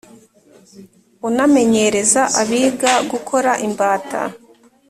unamenyereza abiga gukora imbata